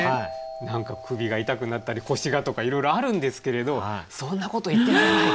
何か首が痛くなったり腰がとかいろいろあるんですけれどそんなこと言ってられないと。